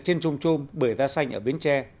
trên trùng trôm bưởi da xanh ở biến tre